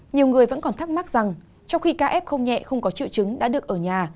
nhiều người vẫn còn thắc mắc rằng trong khi ca f không nhẹ không có triệu chứng đã được ở nhà